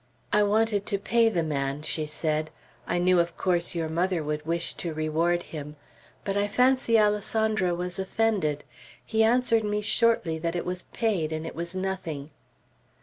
"I wanted to pay the man," she said; "I knew of course your mother would wish to reward him. But I fancy Alessandro was offended. He answered me shortly that it was paid, and it was nothing."